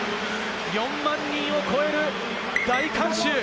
４万人を超える大観衆。